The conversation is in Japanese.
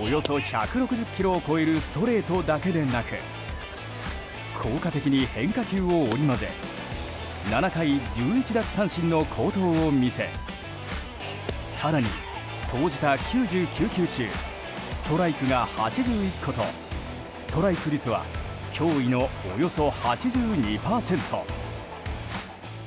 およそ１６０キロを超えるストレートだけでなく効果的に変化球を織り交ぜ７回１１奪三振の好投を見せ更に、投じた９９球中ストライクが８１個とストライク率は驚異のおよそ８２％。